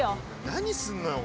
何すんのよ？